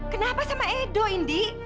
kenapa sama edo ndi